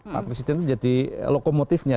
pak presiden jadi lokomotifnya